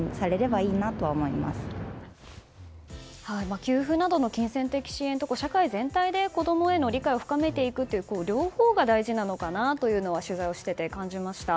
給付などの金銭的支援と社会全体で子供への理解を深めていくという両方が大事なのかなというのは取材していて感じました。